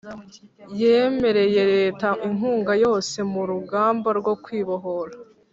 Yemereye Leta inkunga yose mu rugamba rwo kwibohora